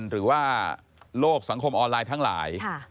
หรือว่าโลกสังคมออนไลน์ทั้งหลาย